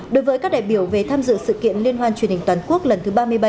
đối với các đại biểu về tham dự sự kiện liên hoan truyền hình toàn quốc lần thứ ba mươi bảy